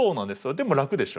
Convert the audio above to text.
でも楽でしょ？